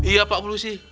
iya pak polisi